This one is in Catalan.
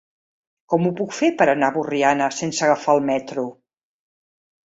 Com ho puc fer per anar a Borriana sense agafar el metro?